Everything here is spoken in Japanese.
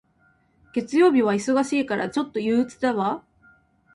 月曜日は忙しいから、ちょっと憂鬱だわ。